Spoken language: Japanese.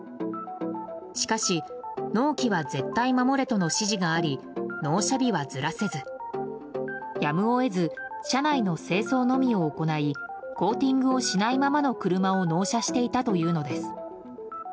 しかし納期は絶対守れとの指示があり、納車日はずらせずやむを得ず車内の清掃のみを行いコーティングをしないままの車を納車していたというのです。